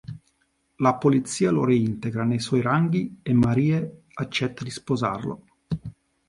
La polizia lo reintegra nei suoi ranghi e Marie accetta di sposarlo.